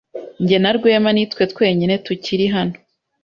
Jye na Rwema ni twe twenyine tukiri hano.